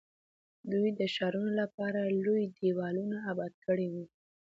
دوی د ښارونو لپاره لوی دیوالونه اباد کړي وو.